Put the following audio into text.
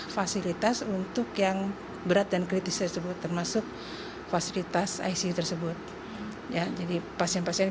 fasilitas untuk yang berat dan kritis tersebut termasuk fasilitas icu tersebut ya jadi pasien pasien